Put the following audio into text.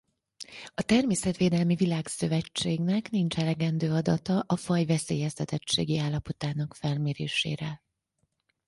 A Természetvédelmi Világszövetségnek nincs elegendő adata a faj veszélyeztetettségi állapotának felmérésére.